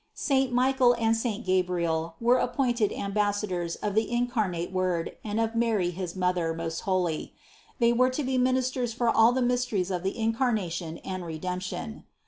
Saint Michael and Saint Gabriel were appointed ambassadors of the incarnate Word and of Mary his Mother most holy ; they were to be ministers for all the mysteries of the Incarnation and Redemption.